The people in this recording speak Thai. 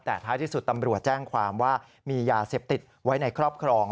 แต่ท้ายที่สุดตำรวจแจ้งความว่ามียาเสพติดไว้ในครอบครอง